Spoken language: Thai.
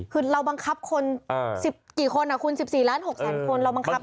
คือเราบังคับคนสิบกี่คนคุณ๑๔๖ล้านคนเราบังคับได้ไหม